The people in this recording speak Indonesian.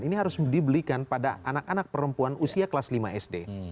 ini harus dibelikan pada anak anak perempuan usia kelas lima sd